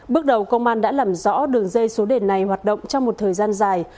bước đầu công an đã làm rõ đường dây số đề này hoạt động trong một thời gian dài